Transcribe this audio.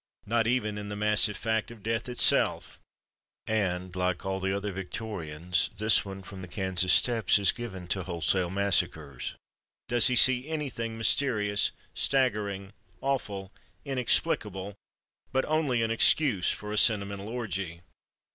Not even in the massive fact of death itself—and, like all the other Victorians, this one from the Kansas steppes is given to wholesale massacres—does he see anything mysterious, staggering, awful, inexplicable, but only an excuse for a sentimental orgy.